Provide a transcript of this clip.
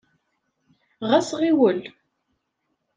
Ɣas ɣiwel.